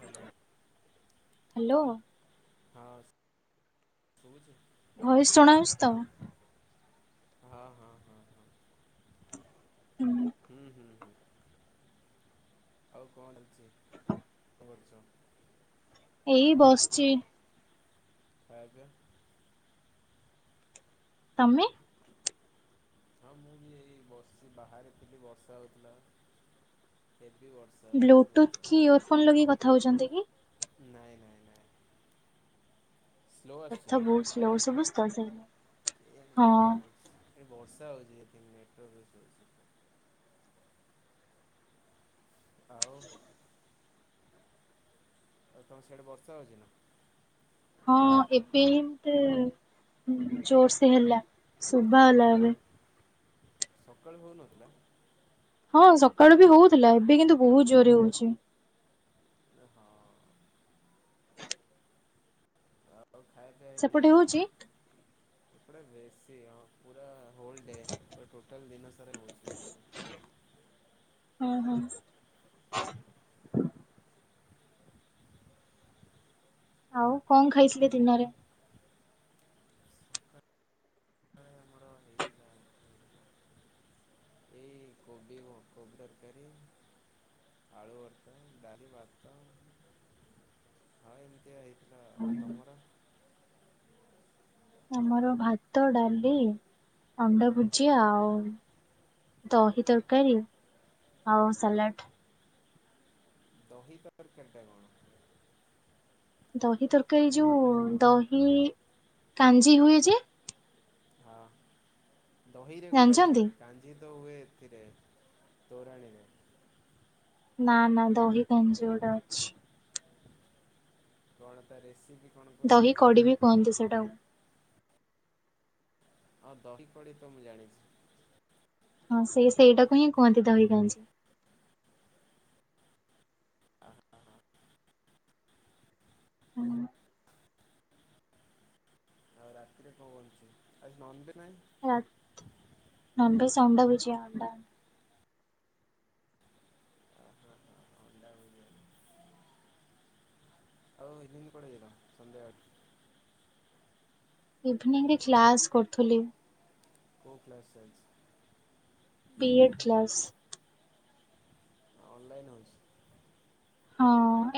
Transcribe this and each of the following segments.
Hello! Hello! ହଁ, ଶୁବୁଛି? Voice ଶୁଣାଆଉସ୍ ତ? ହଁ, ହଁ, ହଁ, ହଁ, ହୁଁ। ହୁଁ, ହୁଁ, ହୁଁ, ଆଉ କଣ ଚାଲିଛି? କଣ କରୁଛ? ଏଇ ବସ୍ଚି। ଖାଇଆ ପିଆ ତମେ? ହଁ, ମୁଁ ବି ଏଇ ବସ୍ଚି, ବାହାରେ ଥିଲି ବର୍ଷା ହଉଥିଲା। ହେବି ବର୍ଷ ବ୍ଲୁଟୁଥ୍ କି ଇୟର ଫୋନ୍ ଲଗେଇକି କଥା ହଉଛନ୍ତି କି? ନାଇଁ, ନାଇଁ, ନାଇଁ, ସ୍ଲୋ ଆସୁଛି କଥା ବହୁତ ସ୍ଲୋ ଶୁଭୁଛ୍ ତ ସେଇ, ହଁ। ଏଠି ବର୍ଷା ହଉଛି। ଏଠି ନେଟୱାର୍କ ଇସୁ ହଉସି। ଆଉ, ଆଉ, ତମ ସେଆଡେ ବର୍ଷା ହଉଛି ନା? ହଁ, ଏବେ ହିଁଟ-ଅ-ଅ ଜୋର ସେ ହେଲା। ସୁଭା ଷ୍ଟାର୍ଟ ହେଲା। ସକାଳୁ ହଉନଥିଲା। ହଁ, ସକାଳୁ ବି ହଉଥିଲା। ଏବେ କିନ୍ତୁ, ବହୁତ ଜୋରରେ ହଉଛି। ଏ ହଁ। ଆଉ, ଖାଇଆ ପିଆ ହେଇନି? ସେପଟେ ହଉଛି? ଏପଟେ ବେଶୀ ହଁ, ପୁରା ହୋଲ୍ ଡେ। ପୁରା ଟୋଟାଲ୍ ଦିନ ସାରା ହଉଛି ବର୍ଷା। ହୁଁ, ହୁଁ। ଆଉ କଣ ଖାଇଥିଲେ ଦିନରେ? ସକାଳେ ଆମର ହେଇଥିଲା [inaudible] ଏଇ କୋବି ଓ କୋବି ତରକାରୀ ଆଳୁ ଭର୍ତା, ଡାଲି, ଭାତ ହଁ, ଏମିତିଆ ହେଇଥିଲା। ନା, ଆଉ ତମର? ଆମର ଭାତ, ଡାଲି, ଅଣ୍ଡା ଭୁଜିଆ ଆଉ ଦହି ତରକାରୀ, ଆଉ ସାଲାଟ୍। ଦହି ତରକାରୀ ଟା କଣ? ଦହି ତରକାରୀ ଯୋଉ, ଦହି କାଞ୍ଜି ହୁଏ ଯେ। ହଁ, ଦହିରେ କଣ କାଞ୍ଜି ଜାଣିଛନ୍ତି? ହୁଏ? କାଞ୍ଜି ତ ହୁଏ ଏଥିରେ, ତୋରାଣୀରେ। ନା, ନା, ଦହି କାଞ୍ଜି ଗୋଟେ ଅଛି। କଣ ତା ରେସିପି କଣ କଇଲ? ଦହି କଡି ବି କୁହନ୍ତି, ସେଟାଉ ହଁ, ଦହି କଡି ତ ମୁଁ ଜାଣିଛି। ହଁ, ସେଇ ସେଇଟାକୁ ହିଁ, କୁହନ୍ତି ଦହିକାଞ୍ଜି। ଅହ ଅହ। ହୁଁ। ଆଉ ରାତିରେ କଣ ବନୁଛି? ଆଜି ନନ୍ ବେ ନାହିଁ? ରାତ୍ ନନ୍ ବେଜ୍ ଅଣ୍ଡା ଭୁଜିଆ, ଅଣ୍ଡା -ଆ। ରାତ୍ ରେ ଅଣ୍ଡା ଭୁଜିଆ। ଆଉ ଇଭିନିଙ୍ଗ୍ କୁଆଡେ [unintelligible] ସନ୍ଧ୍ୟାବେଳେ? ଇଭିନିଂ ରେ କ୍ଲାସ କରୁଥିଲି। କଉ କ୍ଲାସ୍ ଚାଲଛି? B Ed class. ଅନଲାଇନ୍ ହେଉଛି? ହଁ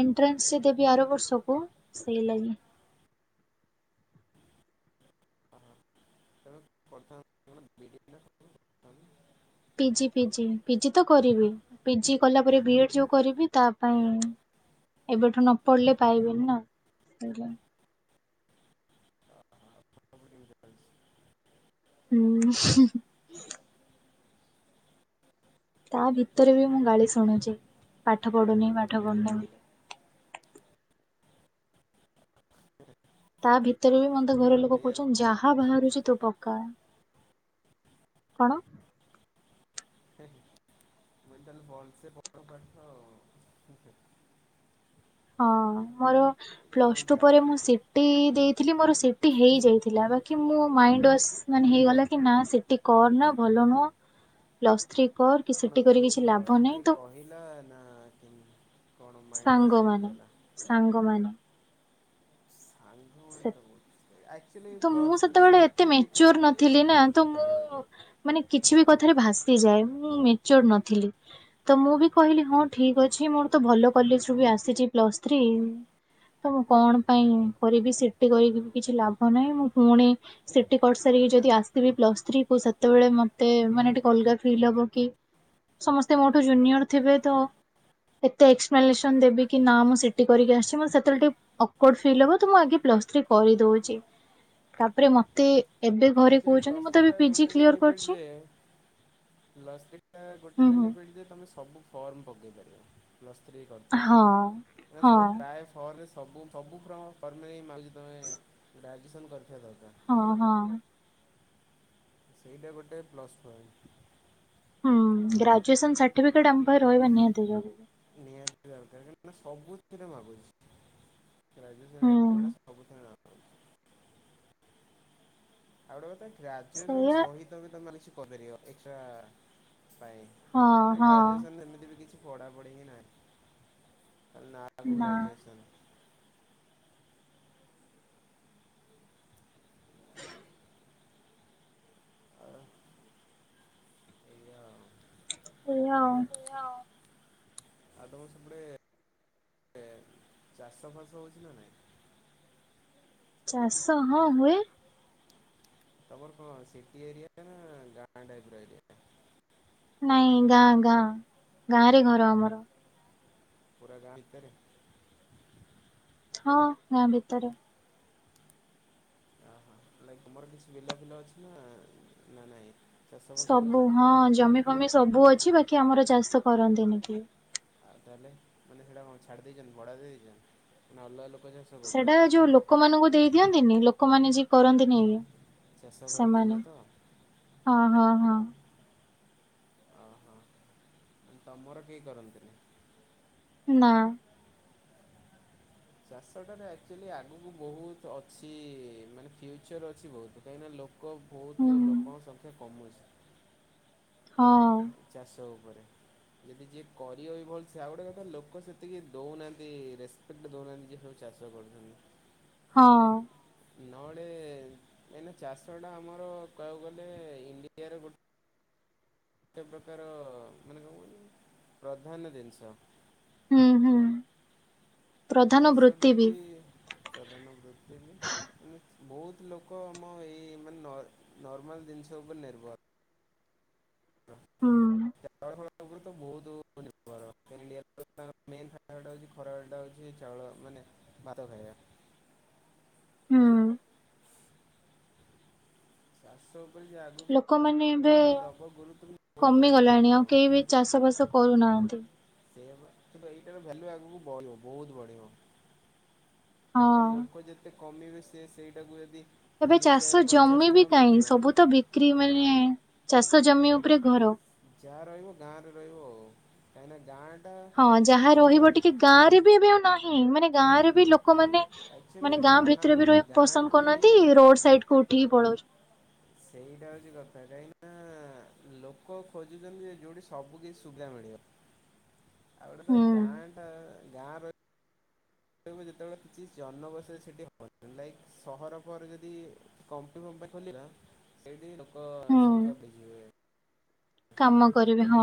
ଏଣ୍ଟ୍ରାନ୍ସି ଦେବି ଆର ବର୍ଷକୁ ସେଇ ଲାଗି। ଓ ହୋ, ତେଣୁ [inaudible] ବିଡ଼ିଟା ସବୁ କରିଥାନ୍ତି ପିଜି ପିଜି, ପିଜି ତ କରିବି ପିଜି କଲା ପରେ ବି ଏଡ୍ ଯୋଉ କରିବି ତା ପାଇଁ ଏବେଠୁ ନ ପଢିଲେ ପାଇବେନି ନା ସେ ରିଜଲ୍ଟ ଉ-ଉ-ଉ ହୁଁ। ତା ଭିତରେ ବି ମୁଁ ପଢ଼ିବାରେ ଗାଳି ଶୁଣୁଛି ପାଠ ପଢୁନି ପାଠ ପଢୁନି ବୋଲି। ତା ଭିତରେ ବି ମତେ ଘର ଲୋକ କହୁଛନ୍ତି ଧ୍ୟାନ ଯାହା ବାହାରୁଛି ତୁ ପକା। କଣ? [unintelligible] ତାହାଲେ ଭଲସେ ପଢ଼ ପାଠ ହେ ହେ। ହଁ ମୋର କ'ଣ ପ୍ଲସ ଟୁ ପରେ ଯାହା ମୁଁ ସି ସିଟି ଦେଇଥିଲି ମୋର ସିଟି ହେଇଯାଇଥିଲା ବାକି ମୁଁ ମାଇଣ୍ଡ ୱାଶ ମାନେ ହେଇଗଲା କି ନା ସିଟି କରନା ଭଲ ନୁହଁ। ପ୍ଲସ ଥ୍ରୀ କର କି ସିଟି କରିକି କିଛି ଲାଭ ନାହିଁ ତ ଏଇଲା ନାଁ କେମି ସାଙ୍ଗମାନେ, ସାଙ୍ଗମାନେ। ସାଙ୍ଗମାନେ ସେ ତ ବହୁତ ଆକ୍ଚୁଆଲି ତ ମୁଁ ପ୍ଲସ୍ ଥ୍ରୀ ସେତେବେଳେ ଏତେ ସାର୍ଟିଫିକେଟ୍ ମେଚୋର ନଥିଲି ନା ତ ମୁଁ ମାନେ କିଛି ବି କଥାରେ ଭାସିଯାଏ ମୁଁ ମେଚୋର ନଥିଲି। ତ ମୁଁ ବି କହିଲି ହଁ ଠିକ ଅଛି ମୋର ତ ଭଲ କଲେଜ ରୁ ବି ଆସିଛି ପ୍ଲସ ଥ୍ରୀ। ତ ମୁଁ କଣ ପାଇଁ କରିବି ସିଟି କରିକି କିଛି ଲାଭ ନାହିଁ ମୁଁ ପୁଣି ସିଟି କରି ସାରିକି ଯଦି ଆସିବି ପ୍ଲସ ଥ୍ରୀ କୁ ସେତେବେଳେ ମତେ ମାନେ ଟିକେ ଅଲଗା ଫିଲ୍ ହବ କି ସମସ୍ତେ ମୋଠୁ ଜୁନିୟର ଥିବେ ତ ଏତେ ଏକ୍ସପ୍ଲାନେସନ ଦେବି କି ନା ମୁଁ ସିଟି କରିକି ଆସିଛି ମ ସେତବେଳେ ଟିକେ ଓକଡ଼୍ ଫିଲ୍ ହବ। କିନ୍ତୁ ମୁଁ ଆଗେ ପ୍ଲସ୍ ଥ୍ରୀ କରିଦଉଛି ତାପରେ ମ ତେ ଏବେ ଘରେ ଆକ୍ଚୁଆଲି କହୁଛନ୍ତି ପ୍ଲସ୍ ମୁଁ ତ ଏବେ ଥ୍ରୀଟା ପିଜି କ୍ଲିୟର କରିଛି। ପ୍ଲସ ଥ୍ରୀ ଟା ଗୋଟେ ହୁଁ ହୁଁ ବେନିଫିଟ ଯେ ତମେ ସବୁ ଫର୍ମ ପକେଇ ପାରିବ। ପ୍ଲସ୍ ଥ୍ରୀ କରିଥିଲେ ହଁ ନାଇ ହଁ ସବୁ ପ୍ରାଏ ଫର୍ରେ ସବୁ ସବୁ ଫର୍ମ ଫର୍ମେଉ ମାଗୁ ତମେ ଗ୍ରାଜୁଏସନ କରିଥିବା ଦରକାର। ହଁ ହଁ। ସେଇଟା ଗୋଟେ ପ୍ଲସ୍ ପଏଣ୍ଟ। ହୁଁ ଗ୍ରାଜୁଏସନ ସାର୍ଟିଫିକେଟ ଆମ ପାଖରେ ରହିବା ନିହାତି ଜରୁ ନିହାତି ଦରକାର କାରଣ ସବୁଥିରେ ମାଗୁଚି। ଗ୍ରାଜୁଏସନ୍ ହୁଁ [inaudible] ସବୁଥିରେ [unintelligible] ଆଉ ଗୋଟେ କଥା ଗ୍ରାଜୁଏସନ୍ ସେଇଆ ସହିତ ବି ତମେମାନେ କିଛି କରିପାରିବ ଏକ୍ସଟ୍ରା-ଆ-ଆ-ଆ ପାଇଁ। ହଁ ନା ହଁ ଗ୍ରାଜୁଏସନ ଏମିତି ବି କିଛି ପଢ଼ାପଢ଼ି ହିଁ ନାହିଁ ଖାଲି ନାଁ ଆକୁ ନା। ଗ୍ରାଜୁଏସନ। ଆ-ଆ ଏଇଆ ଆଉ। ସେୟା ଆଉ। ଆଉ ତମ ସେପଟେ ଏ ଚାଷ ଫାସ ହେଉଛି ନା ନାଇଁ? ଚାଷ ହଁ ହୁଏ। ତମର କଣ ସିଟି ଏରିଆ ନା ଗାଁ ଟାଇପର ଏରିଆ। ନାଇଁ ଗାଁ ଗାଁ, ଗାଁ ରେ ଘର ଆମର। ପୁରା ଗାଁ ଭିତରେ। ହଁ ଗାଁ ଭିତରେ। ଓହୋ ନାଇ ଇ ତମର କିଛି ବିଲ ଫିଲ ଅଛି ନା ନା ନାଇଁ? ଚାଷ ବାସ ସବୁ ହଉଛି ନା ହଁ କଣ? ଜମି ଫମି ସବୁ ଅଛି ବାକି ଆମର ଚାଷ କରନ୍ତିନି କିଏ। ଆଉ ତାହେଲେ ମାନେ ସେଇଟା କଣ ଛାଡ଼ି ଦେଇଛନ୍ତି ଭଡା ଦେଇଦେଇଛନ୍ତି? ନା ଅଲଗା ଲୋକ ଯ ସେଟା ଯୋଉ ଲୋକମାନଙ୍କୁ ଦେଇ ଦିଅନ୍ତିନି ଲୋକମାନେ ଯିଏ କରନ୍ତିନି ଇ ଚାଷ କରନ୍ତି ଯିଏ ସେମାନେ ତ ହଁ ହଁ ହଁ। ଓହୋ, ତମର କେହି କରନ୍ତିନି? ନା। ଚାଷଟାରେ ଆକ୍ଚୁଆଲି ଆଗକୁ ବହୁତ ଅଛି ମାନେ ଫ୍ୟୁଚର୍ ଅଛି ବହୁତ। କାହିଁକିନା ଲୋକ ହୁଁ ବହୁତ ଲୋକଙ୍କ ସଂଖ୍ୟା କମୁଚି। ଏ ହଁ ଚାଷ ଉପରେ। ଯଦି ଯିଏ କରିବ ବି ଭଲ ସେ ଆଉ ଗୋଟେ କଥା ଲୋକ ସେତିକି ଦେଉନାହାନ୍ତି ରେଶ୍ ଫଟୋ ଦେଉନାହାନ୍ତି କିନ୍ତୁ ସବୁ ଚାଷ କରୁଛନ୍ତି। ହଁ। ନଅଡେ ଏଇନା ଚାଷଟା ଆମର କହିବାକୁ ଗଲେ ଇଣ୍ଡିଆରେ ଗୋଟେ ଗୋଟେ ପ୍ରକାର ମାନେ କଣ କହିଲୁ ପ୍ରଧାନ ଜିନିଷ। ହୁଁ ହୁଁ ପ୍ରଧାନ ବୃତ୍ତି ବି। ପ୍ରଧାନବୃତ୍ତି ବି। ଉଁ ବହୁତ ଲୋକ ଆମ ଏଇ ମାନେ ନର୍ମାଲ ଜିନିଷ ଉପରେ ନିର୍ଭର। ହୁଁ [unintelligible] ବହୁତ ନିର୍ଭର। ଇଣ୍ଡିଆରେ ତାଙ୍କର ମେନ୍ ଖାଇବା ଟା ହେଉଚି ଖରାବେଳ ଟା ହଉଚି ଚାଉଳ ମାନେ ଭାତ ଖାଇବା। ହୁଁ। ଚାଷ ଉପରେ ଜା ଆଗୁ ଲୋକମାନେ ଏବେ ବହୁତ ପଇସା କମିଗଲାଣି ଆଉ କମେଇଦବ କେହି ବି ଚାଷ ବାସ କରୁନାହାନ୍ତି। ସେୟା ବା କିନ୍ତୁ ଏଇଟାର ଭାଲ୍ୟୁ ଆଗକୁ ବଢିବ ବହୁତ ବଢିବ। ଆ ହଁ। ଲୋକ ଯେତେ କମିବେ ସେ ସେଇଟାକୁ ଯଦି ଏବେ ତିରିଶ ଚାଷ ଜାଗାରେ ପଚାଶ ଜମି ବି ଟଙ୍କା କାହିଁ ବିକିବ ସବୁ ତ ବିକ୍ରି ମାନେ ଚାଷ ଜମି ଉପରେ ଘର। ଯା ରହିବ ଗାଁ ରେ ରହିବ ଆଉ କାଇଁନା ଗାଁ ହଁ ଯାହା ରହିବ ଟିକେ ଗାଁରେ ବି ଏବେ ଆଉ ନାହିଁ ମାନେ ଗାଁରେ ବି ଲୋକମାନେ ମାନେ ଗାଁ ଭିତରେ ବି ରହିବାକୁ ପସନ୍ଦ ଗାଁରେ ବି କରୁନାହାନ୍ତି ରୋଡ ସାଇଡ କୁ ଉଠିକି ପଳାଉଛନ୍ତି। ସେଇଟା ହଉଛି କଥା କାହିଁକି ନା ଲୋକ ଖୋଜୁଛନ୍ତି ଯୋଉଠି ସବୁ କିଛି ସୁବିଧା ମିଳିବ। ଆଉ ଗୋଟେ ହୁଁ କଥା ଗାଆଁ ଟା ଗାଆଁ ର ସେତେବେଳେ ଯେତେ ବେଳେ କିଛି ଜନବସତି ସେଠୀ ହବନି ନାଇ କି? ସହର ପରେ ଯଦି କମ୍ପି କମ୍ପାନି ଖୋଲିବା ସେଠୀ ଲୋ କ ହୁଁ। ସଂଖ୍ୟା ବେଶି ହେବ। କାମ କରିବେ ହଁ।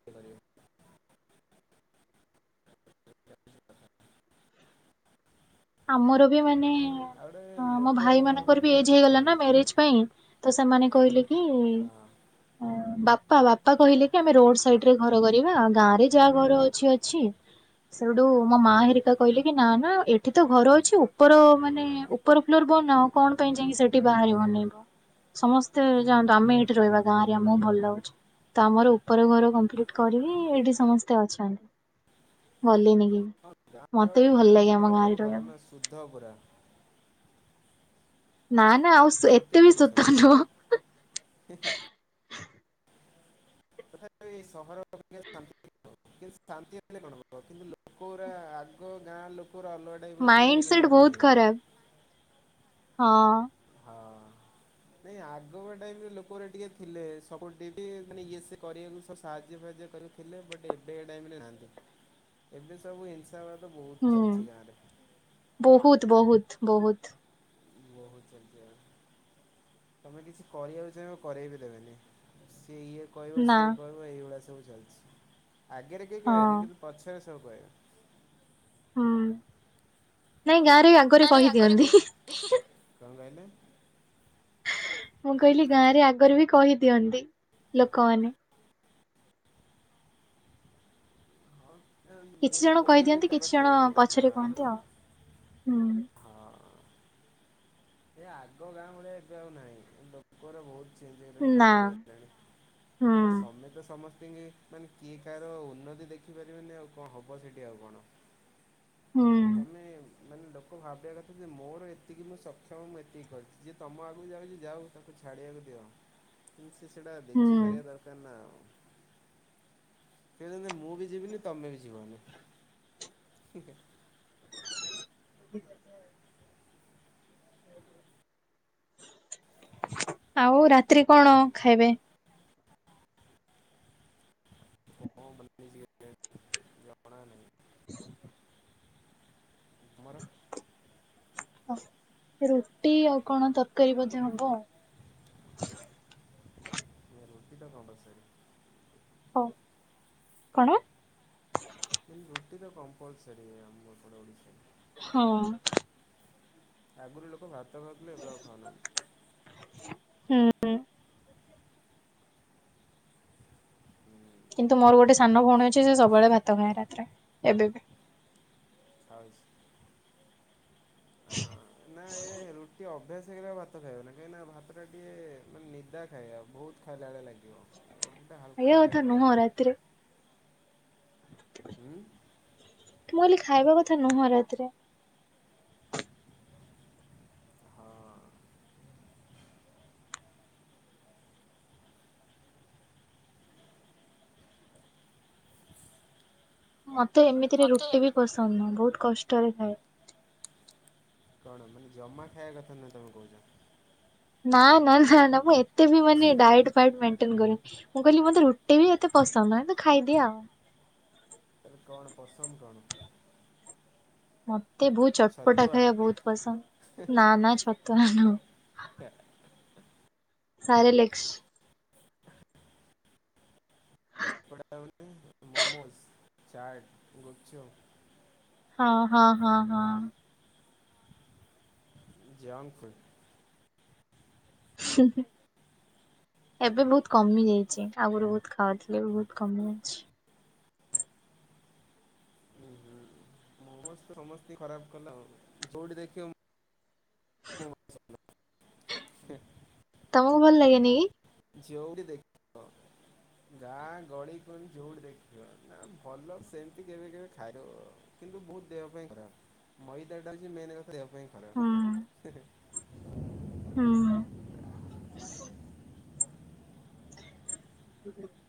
[unintelligible] ଆମର ବି ମାନେ ଆଉ ଗୋଟେ ଅଁ ମୋ ଲୋକ ଭାଇ ମାନଙ୍କର ବି ଏଜ ହେଇଗଲା ହଁ ନା ମ୍ୟାରେଜ ପାଇଁ। ତ ସେମାନେ କହିଲେ କି ଉଁ ହଁ ବାପ ତା ବାପା କହିଲେ କି ଆମେ ରୋଡ ସାଇଡରେ ଘର କରିବା ଗାଁ ରେ ଯାହା ଘର ଅଛି ଅଛି। ସେଇଡୁ ମୋ ମା ହୁଁ ହିରିକା କହିଲ କି ନା ନା ଏ ଏଠି ତ ଘର ଅଛି ଉପର ମାନେ ଉପର ଫ୍ଲୋର ବନାଓ ଆଉ କଣ ପାଇଁ ଯାଇକି ସେଠି ବାହାରେ ବନେଇବ? ସମସ୍ତେ ଯାଆନ୍ତୁ ଆମେ ଏଇଠି ରହିବା ଗାଁରେଆମକୁ ଭଲ ଲାଗୁଛି। ତ ଆମର ଉପର ଘର କମ୍ପ୍ଲିଟ କରିବି ଏଇଠି ସମସ୍ତେ ଅଛନ୍ତି। ଗଲେନି କେହି? ହଁ ଗାଁର ପରିବେଶଟା ବହୁତ ଭଲ ରହିବାକୁ। ନାଁ ଶୁଦ୍ଧ ପୁରା। ନା ନା ଆଉ ସେ ଏତେ ବି ଶୁଦ୍ଧ ନୁହଁ। ହିଁ ହିଁ। ତଥାପି ଏହି ସହର ଶାନ୍ତି ଥିବ। କିନ୍ତୁ ଶାନ୍ତି ହେଲେ କଣ ହବ କିନ୍ତୁ ଲୋକ ଉରା ଆଗ ଗାଆଁ ଲୋକ ରା ଅଲଗା ଥିଲେ ମାଇଣ୍ଡ ଏବେ କିନ୍ତୁ ସେଟ ଅଲଗା ବହୁତ ହେଇଗଲେଣି। ଖରାପ ହଁ। ହଁ ନାଇଁ ଆଗବେଳ ଟାଇମ ରେ ଲୋକଗୁରା ଟିକେ ଥିଲେ ସପୋର୍ଟ ଦେଇକି ମନେ ଇଏ ସିଏ। କରିବାକୁ ସବୁ ସାହାଯ୍ୟ ଫାଆଜ୍ୟ କରୁଥିଲେ। ବଟ୍ ଏବେକା ଟାଇମ ରେ ନାହାନ୍ତି। ଏବେ ସବୁ ଇ ହିଂସା ବାଦ ବହୁତ ହୁଁ ଚାଲିଚି ଗାଆଁ ରେ। ବହୁତ ବହୁତ ବହୁତ। ବହୁତ ଚାଲିଚି ଏବେ? ତମେ କିଛି କରିବାକୁ ଚାହିଁବ କରେଇ ବିି ଦେବନି। ସିଏ ଇଏ କହିବ ନା ସିଏ କହିବ। ତ ଏଇଭଳିଆ ସବୁ ଚାଲିଛି। ଆଗରେ କେହି ହଁ କହିବେନି କିନ୍ତୁ ପଛରେ ସବୁ କହିବେ। ହୁଁ ନାଇଁ ଗାଁରେ ଆଗରେ କହିଦିଅନ୍ତି। ହିଁ ହିଁ। କଣ କହିଲେ? ମୁଁ କହିଲି ଗାଁ ରେ ଆଗରେ ବି କହିଦିଅନ୍ତି ଲୋକମାନେ? ହଁ କିଛି ମେବି ଜଣ କଇଦିଅନ୍ତି ବି କହିଦିଅନ୍ତି କିଛି ଜଣ ସମସ୍ତେ ହଁ। ପଛରେ କୁହନ୍ତି ଆଉ ହୁଁ। ହଁ। ଏ ଆଗ ଗାଁ ଭଳିଆ ଏବେ ଆଉ ନାହିଁ। ଲୋକରା ବହୁତ ଚେଞ୍ଜ ହେଇଗଣି ନା ବଦଳିଗଲେଣି। ହଁ ହୁଁ କାହିଁକିନା ସମେତେ ସମସ୍ତେ ମୁଁ କହିନି କିଏ କାହାର ଉନ୍ନତି ଦେଖିପାରିବେନି। ଆଉ କଣ ହବ ସେଇଠି ଆଉ କଣ? ହୁଁ। ତମେ ମାନେ ଲୋକ ଭାବିବା କଥା ଯେ? ମୋର ଏତିକି ମୁଁ ଶକ୍ ଆଛା ମୁଁ ଏତିକି କରିଛି ଯିଏ ତମ ଆଗକୁ ଯାଉଚି। ଯାଉ ତାକୁ ଛାଡ଼ିବାକୁ ଦିଅନା। କି ସେ ସେଟା ହୁଁ। ଦେଖିପାରିବା ଦରକାର ନା ଆଉ। ସେ କହୁଚି ମୁଁ ବି ଯିବିନି ତମେ ବି ଯିବନିି। ହୁଁ ହୁଁ। ଆଉ ରାତିିରେ କଣ ଖାଇବେ? [unintelligible] ଜଣା ନାହିଁ। ଆମର। ହ ରୁଟି ଆଉ କଣ ତରକାରୀ ବୋଧେ ହବ ଆଉ। ରୁଟି ଡା [unintelligible] ହଉ କଣ? କିନ୍ତୁ ରୁଟି ତ କମ୍ପଲସରୀ ଆମ ଏପଟ ଓଡିଶାରେ। ହଁ। ଆଗରୁ ଲୋକ ଭାତ ଖାଉଥିଲେ ଏବେ ଆଉ ଖାଉନାହାନ୍ତି। ହୁଁ। ହୁଁ କିନ୍ତୁ ମୋର ଗୋଟେ ସାନ ଭଉଣୀ ଅଛି। ସେ ସବୁବେଳେ ଭାତ ଖାଏ ରାତିରେ ଏବେ ବି। ଖାଉଛି। ହଁ ନା ଏ ରୁଟି ଅଭ୍ୟାସ ହେଇଗଲା ଭା ଭାତ ଖାଇବ ନା କାହିଁକି ନା। ଭାତ ଟା ଟିକେ ମାନେ ନିଦା ଖାଇବା ବହୁତ ଖାଇଲା ଭଳିଆ ଲାଗିବ। ରୁଟିଟା ହାଲକା କଥା ଖାଇବା ନୁହଁ ଆଉ। ରାତିରେ ଉଁ। ମୁଁ କହିଲି ଖାଇବା କଥା ନୁହଁ ରାତିରେ। ହଁ। ମତେ ଏମିତିରେ ମତେ ରୁଟି ବି ଏମିତି ପସନ୍ଦ ନୁହଁ ବହୁତ କଷ୍ଟରେ ଖାଏ। କଣ ମାନେ ଜମା ଖାଇବା କଥା ନୁହଁ ତମେ କହୁଛ। ନା ନା ନା ନା ମୁଁ ଏତେ ବି ମାନେ ଡାଇଟ ଡାଏଟ ମେଣ୍ଟେନ କରେ। ମୁଁ କହିଲି ମତେ ରୁଟି ବି ଏତେ ପସନ୍ଦ ନୁହିଁ। କିନ୍ତୁ ଖାଇଦିଏ ଆଉ। ତାହେଲେ କଣ ପସନ୍ଦ କଣ? ମତେ ବହୁତ ଚଟପଟା ଛତୁଆ ଖାଇବା ବହୁତ ପସନ୍ଦ। ନା ନା ଛତୁଆ ଗୁଣ୍ଡ ନୁହଁ। ଟା ସାରେ ଲିକ୍ସ। ଚଟପଟା ହଉଚି ମୋମୋସ୍ ଚାଟ ଗୁପଚୁପ। ହଁ ହଁ ହଁ ହଁ। ଜାନ୍ତୁ ହୁଁ। ଏବେ ବହୁତ କମି ଯାଇଛି ଆଗରୁ ବହୁତ ଖାଉଥିଲେ ବି ବହୁତ କମି ଯାଇଛି। ସମସ୍ତେ ସମସ୍ତିଙ୍କି ଖରାପ କଲେ ହବ ଯୋଉଠି ଦେଖିବ [inaudible] ହେ। ତମକୁ ଭଲ ଲାଗେନି କି? ଯୋଉଠି ଦେଖିବ ଗାଁ ଗଳିକନ୍ଧି ଯଉଠି ଦେଖିବ ନା ଭଲ ସେମିତି କେବେ କେବେ ଖାଇବ [unintelligible] କିନ୍ତୁ ବହୁତ ଦେହ ପାଇଁ ଖରା ମଇଦାଟା ହଉଛି ମେନ କଥା ଦେହ ପାଇଁ ହୁଁ। ଖରାପ। ହୁଁ। [inaudible]